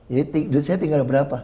jadi duit saya tinggal berapa